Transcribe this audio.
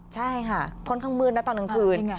ใช่ค่ะค่อนข้างมืดนะตอนกลางคืน